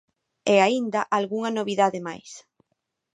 E aínda algunha novidade máis.